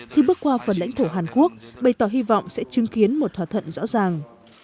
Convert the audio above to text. khi bước qua phần lãnh thổ hàn quốc bày tỏ hy vọng sẽ chứng kiến một thỏa thuận rõ ràng